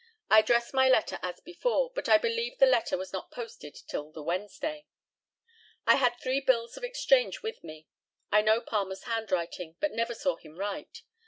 I addressed my letter as before, but I believe the letter was not posted till the Wednesday. I had three bills of exchange with me. I know Palmer's handwriting, but never saw him write.